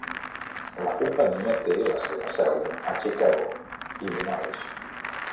La companyia té la seva seu a Chicago, Illinois.